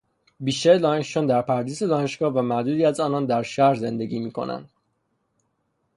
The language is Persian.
بیشتر دانشجویان در پردیس دانشگاه و معدودی از آنان در شهر زندگی میکنند.